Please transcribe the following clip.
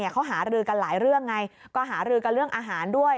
เขาหารือกันหลายเรื่องไงก็หารือกันเรื่องอาหารด้วย